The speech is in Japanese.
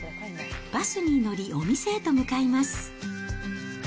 バスに乗り、お店へと向かいます。